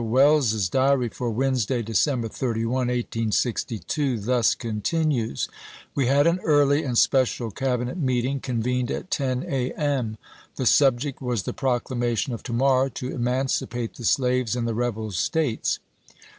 Welles's diary for "Wednesday, December 31, 1862, thus continues :" We had an early and special Cabinet meeting — convened at 10 a. m. The subject was the procla mation of to morrow to emancipate the slaves in the rebel States.